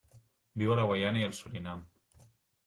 Viu a la Guyana i el Surinam.